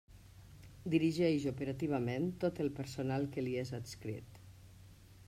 Dirigeix operativament tot el personal que li és adscrit.